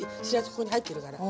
ここに入ってるから。